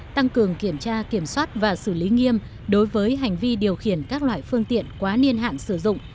tăng cường kiểm tra kiểm soát và xử lý nghiêm đối với hành vi điều khiển các loại phương tiện quá niên hạn sử dụng